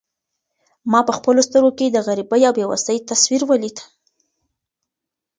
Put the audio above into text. ما په خپلو سترګو کې د غریبۍ او بې وسۍ تصویر ولید.